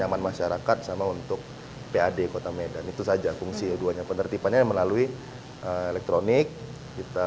nyaman masyarakat sama untuk pad kota medan itu saja fungsi duanya penertibannya melalui elektronik kita